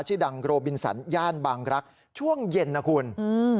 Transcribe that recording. ชื่อดังโรบินสันย่านบางรักษ์ช่วงเย็นนะคุณอืม